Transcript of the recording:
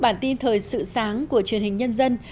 bản tin thời sự sáng của truyền hình nhân dân